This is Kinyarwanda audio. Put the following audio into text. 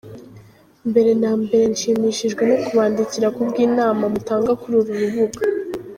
Mbere na mbere nshimishijwe no kubandikira kubw’inama mutanga kuri uru rubuga.